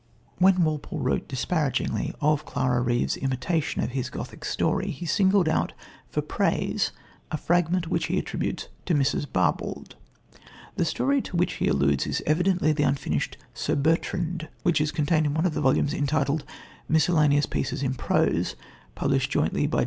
When Walpole wrote disparagingly of Clara Reeve's imitation of his Gothic story, he singled out for praise a fragment which he attributes to Mrs. Barbauld. The story to which he alludes is evidently the unfinished Sir Bertrand, which is contained in one of the volumes entitled Miscellaneous Pieces in Prose, published jointly by J.